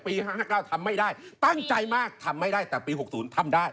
๕๕๙ทำไม่ได้ตั้งใจมากทำไม่ได้แต่ปี๖๐ทำได้